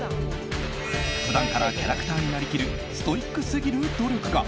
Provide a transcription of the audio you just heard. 普段からキャラクターになりきるストイックすぎる努力家。